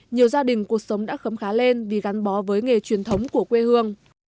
nhiều gia đình cuộc sống đã khấm khá lên vì gắn bó với nghề truyền thống của quê hương